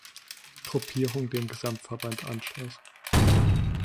Gruppierung dem Gesamtverband anschloss.